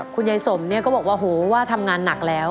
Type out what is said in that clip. คุณยายสมเนี่ยก็บอกว่าโหว่าทำงานหนักแล้ว